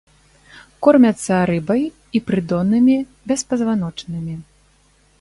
Кормяцца рыбай і прыдоннымі беспазваночнымі.